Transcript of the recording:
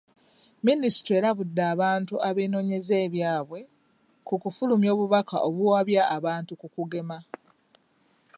Minisitule erabudde abantu abeenoonyeza ebyabwe ku kufulumya obubaka obuwabya abantu ku kugema.